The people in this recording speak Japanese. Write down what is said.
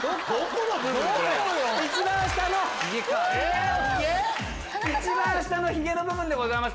一番下のヒゲの部分でございます。